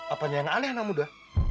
apanya yang alih anak muda